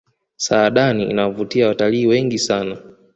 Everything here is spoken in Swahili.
saadani inawavutia watalii wengi sana